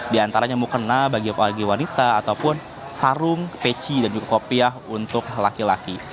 di antaranya mukena bagi wanita ataupun sarung peci dan juga kopiah untuk laki laki